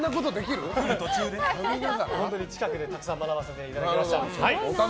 近くでたくさん学ばさせていただきました。